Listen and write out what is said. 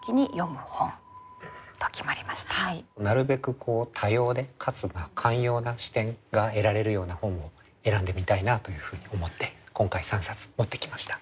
なるべく多様でかつ寛容な視点が得られるような本を選んでみたいなというふうに思って今回３冊持ってきました。